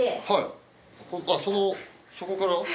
はいそこから？